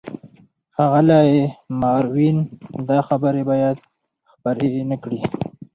ښاغلی ماروین، دا خبرې باید خپرې نه کړې.